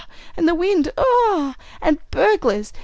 And the wind, ugh! And burglars!